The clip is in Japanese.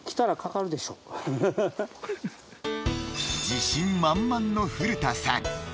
自信満々の古田さん